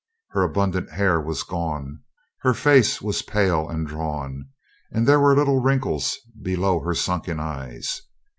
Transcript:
Her abundant hair was gone; her face was pale and drawn, and there were little wrinkles below her sunken eyes.